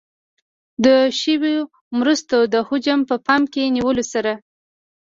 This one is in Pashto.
د شویو مرستو د حجم په پام کې نیولو سره.